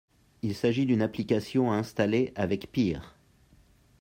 Il s'agit d'une application à installer avec PEAR